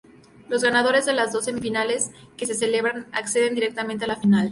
Los ganadores de las dos semifinales que se celebran, acceden directamente a la final.